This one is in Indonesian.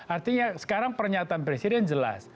artinya sekarang pernyataan presiden jelas